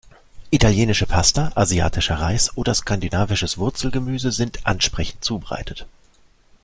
Italienische Pasta, asiatischer Reis oder skandinavisches Wurzelgemüse sind ansprechend zubereitet.